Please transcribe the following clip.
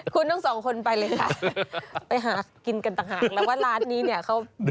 คุณทั้งสองคนไปเลยค่ะไปหากินกันต่างหากแล้วว่าร้านนี้เนี่ยเขา